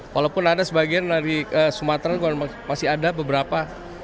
walaupun ada sebagian dari sumatera masih ada beberapa